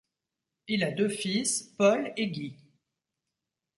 Il a deux fils, Paul et Guy.